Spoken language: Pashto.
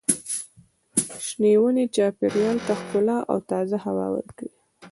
شنې ونې چاپېریال ته ښکلا او تازه هوا ورکوي.